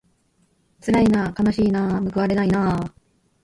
つらいなあかなしいなあむくわれないなあ